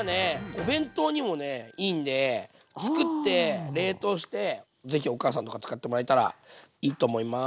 お弁当にもねいいんでつくって冷凍してぜひお母さんとか使ってもらえたらいいと思います。